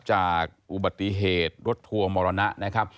จากอุบัติเหตุรถทัวร์โมรณะ